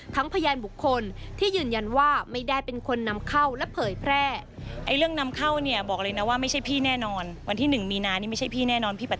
พยานบุคคลที่ยืนยันว่าไม่ได้เป็นคนนำเข้าและเผยแพร่